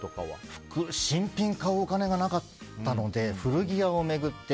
新品を買うお金がなかったので古着屋を巡って。